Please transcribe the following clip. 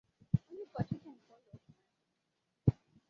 onye ụkọchukwu nke ụlọ ụka ahụ